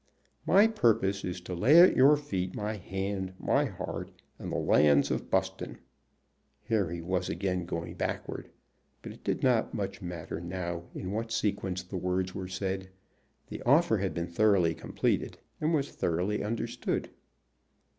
"My purpose is to lay at your feet my hand, my heart, and the lands of Buston." Here he was again going backward, but it did not much matter now in what sequence the words were said. The offer had been thoroughly completed and was thoroughly understood.